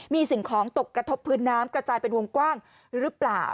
มีสิ่งของตกกระทบพื้นน้ำกระจายเป็นวงกว้างหรือเปล่า